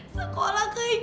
sekolah ke jogja